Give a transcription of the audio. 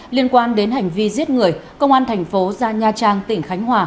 liên quan đến hành vi giết người công an thành phố gia nha trang tỉnh khánh hòa